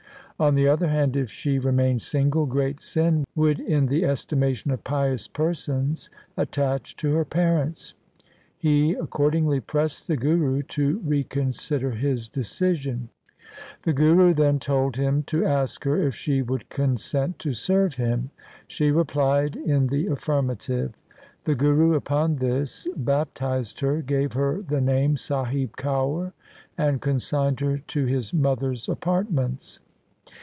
On the other hand, if she remained single, great sin would in the estimation of pious persons attach to her parents. He accord ingly pressed the Guru to reconsider his decision. The Guru then told him to ask her if she would consent to serve him. She replied in the affirmative. The Guru upon this baptized her, gave her the name Sahib Kaur, and consigned her to his mother's apartments.